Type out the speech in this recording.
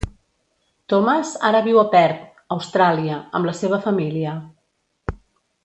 Thomas ara viu a Perth, Austràlia, amb la seva família.